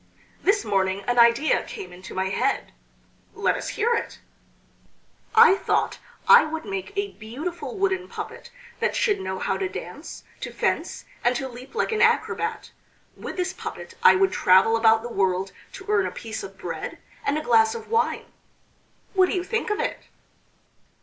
"This morning an idea came into my head." "Let us hear it." "I thought I would make a beautiful wooden puppet that should know how to dance, to fence, and to leap like an acrobat. With this puppet I would travel about the world to earn a piece of bread and a glass of wine. What do you think of it?"